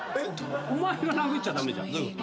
お前が殴っちゃ駄目じゃん。